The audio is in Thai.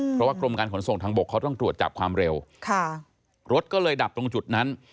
เพราะว่ากรมการขนส่งทางบกเขาต้องตรวจจับความเร็วค่ะรถก็เลยดับตรงจุดนั้น